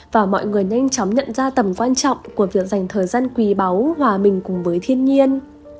và mọi người nhanh chóng nhận ra tầm quan trọng của việc dành thời gian quỳ báu hòa mình cùng với thiên nhiên